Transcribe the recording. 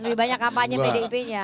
lebih banyak kampanye pdipnya